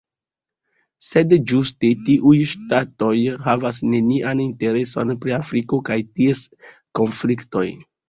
Sed ĝuste tiuj ŝtatoj havas nenian intereson pri Afriko kaj ties konfliktoj.